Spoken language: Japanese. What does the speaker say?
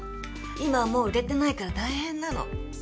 今はもう売れてないから大変なの。